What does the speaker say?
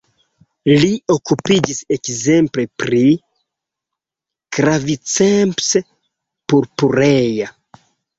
Li okupiĝis ekzemple pri "Claviceps purpurea".